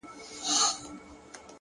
نظم د بریالیتوب خاموش اصل دی.